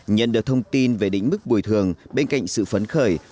nhận được thông tin về định mức bồi thường bên cạnh sự phấn khởi